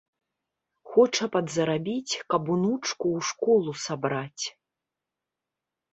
Хоча падзарабіць, каб унучку ў школу сабраць.